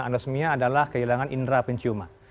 anosmia adalah kehilangan indera penciuman